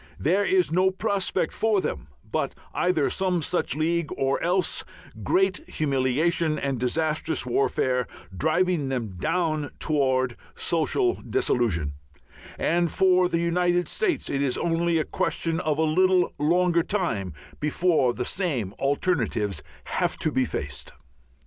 There is no prospect before them but either some such League or else great humiliation and disastrous warfare driving them down towards social dissolution; and for the United States it is only a question of a little longer time before the same alternatives have to be faced.